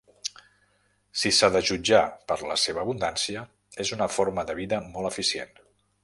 Si s'ha de jutjar per la seva abundància, és una forma de vida molt eficient.